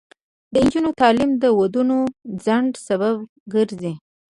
د نجونو تعلیم د ودونو ځنډ سبب ګرځي.